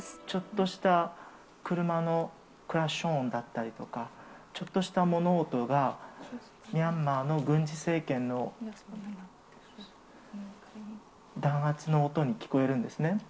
ちょっとした車のクラッシュ音だったりとか、ちょっとした物音がミャンマーの軍事政権の弾圧の音に聞こえるんですね。